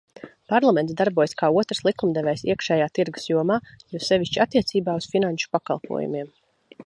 Parlaments darbojas kā otrs likumdevējs iekšējā tirgus jomā, jo sevišķi attiecībā uz finanšu pakalpojumiem.